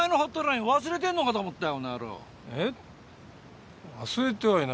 えっ？